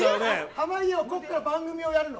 濱家はこっから番組やるの？